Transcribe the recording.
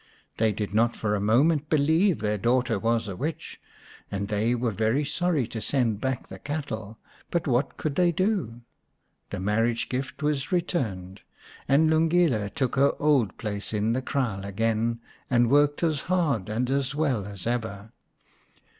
They did not for a moment believe their daughter was a witch, and they were very sorry to send back the cattle ; but what could they do ? The marriage gift was returned, and Lungile took her old place in the kraal again and worked as hard and as well as ever.